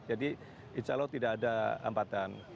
insya allah tidak ada hambatan